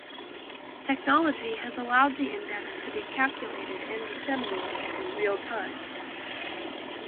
Technology has allowed the index to be calculated and disseminated in real time.